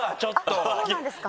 そうなんですか？